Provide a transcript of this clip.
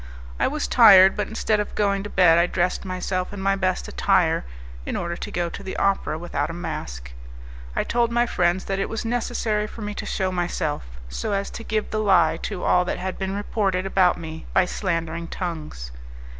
I was tired, but instead of going to bed I dressed myself in my best attire in order to go to the opera without a mask. I told my friends that it was necessary for me to shew myself, so as to give the lie to all that had been reported about me by slandering tongues.